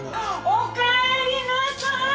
おかえりなさい。